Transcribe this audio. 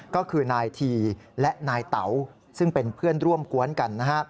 ก็คือนายทีและนายเต๋าซึ่งเป็นเพื่อนร่วมกวนกันนะฮะ